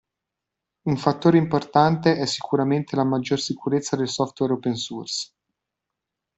Un fattore importante è sicuramente la maggior sicurezza del software open source.